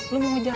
lu mau ngejar